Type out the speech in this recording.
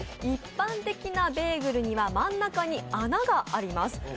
一般的なベーグルには真ん中に穴があります。